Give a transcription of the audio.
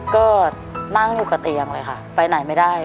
ก็นั่งอยู่กับเตียงเลยค่ะไปไหนไม่ได้